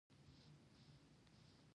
هغې پښې وروغځولې.